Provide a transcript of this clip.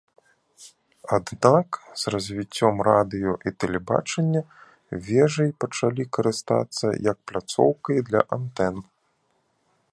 Аднак з развіццём радыё і тэлебачання вежай пачалі карыстацца як пляцоўкай для антэн.